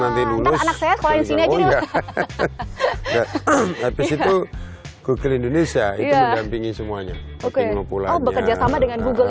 nanti lulus ke sini aja itu google indonesia itu menggampingi semuanya google indonesia itu menggampingi semuanya oke itu dibawa pulang oh enggak cuma dikerjain di sekolah ya